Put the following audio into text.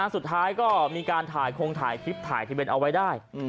สุดท้ายก็มีการถ่ายคลิปถ่ายที่เบนเอาไว้ได้